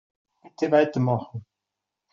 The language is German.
Bitte weitermachen.